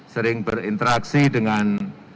sering berinteraksi dengan